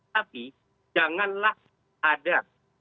tapi janganlah ada